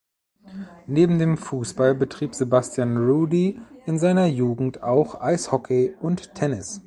Neben dem Fußball betrieb Sebastian Rudy in seiner Jugend auch Eishockey und Tennis.